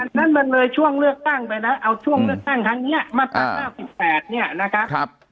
ฉะนั้นมันเลยช่วงเลือกตั้งไปแล้วเอาช่วงเลือกตั้งครั้งนี้มาตรา๙๘เนี่ยนะครับ